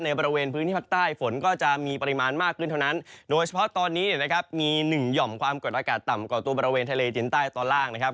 บริเวณพื้นที่ภาคใต้ฝนก็จะมีปริมาณมากขึ้นเท่านั้นโดยเฉพาะตอนนี้เนี่ยนะครับมีหนึ่งหย่อมความกดอากาศต่ำกว่าตัวบริเวณทะเลจินใต้ตอนล่างนะครับ